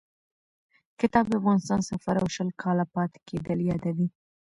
کتاب د افغانستان سفر او شل کاله پاتې کېدل یادوي.